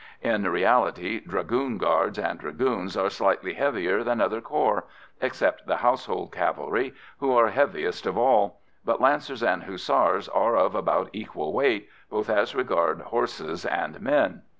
In reality Dragoon Guards and Dragoons are slightly heavier than other corps except the Household Cavalry, who are heaviest of all but Lancers and Hussars are of about equal weight, both as regards horses and men.